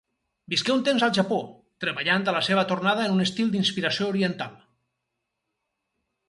Visqué un temps al Japó, treballant a la seva tornada en un estil d'inspiració oriental.